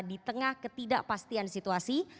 di tengah ketidakpastian situasi